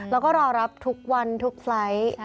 แล้วก็รอรับทุกวันทุกไฟล์ท